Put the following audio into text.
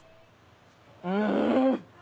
うん！